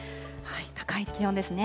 高い気温ですね。